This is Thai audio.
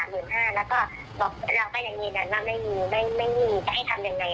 แต่เพื่อนอ่ะพอที่จะรู้ว่าเราเดินกรณีเนี้ยต้องเสียเท่าไหร่อะไรอย่างเนี้ย